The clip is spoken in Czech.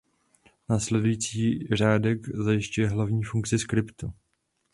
Následující řádek zajišťuje hlavní funkci skriptu.